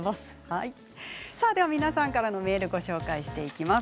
皆さんからのメールをご紹介していきます。